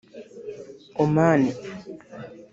Oman